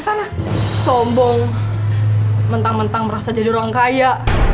sombong mentang mentang merasa jadi orang kaya